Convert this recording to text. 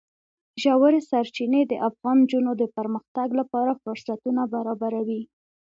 ژورې سرچینې د افغان نجونو د پرمختګ لپاره فرصتونه برابروي.